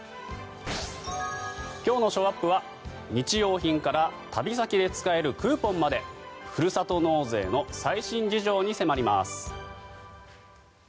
今日のショーアップは日用品から旅先で使えるクーポンまでふるさと納税の最新事情に迫ります。